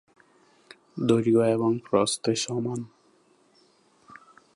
দৈর্ঘ্য এবং প্রস্থে সমান।